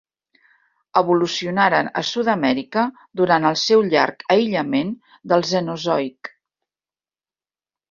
Evolucionaren a Sud-amèrica durant el seu llarg aïllament del Cenozoic.